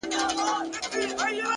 هوډ د شکونو دروازه تړي,